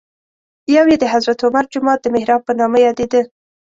یو یې د حضرت عمر جومات د محراب په نامه یادېده.